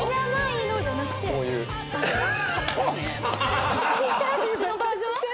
こっちのバージョン？